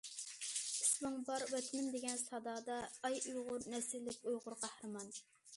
ئىسمىڭ بار ۋەتىنىم دېگەن سادادا، ئەي ئۇيغۇر نەسىللىك ئۇيغۇر قەھرىمان.